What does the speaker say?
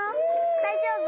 だいじょうぶ？